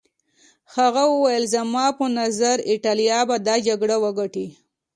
هغه وویل زما په نظر ایټالیا به دا جګړه وګټي.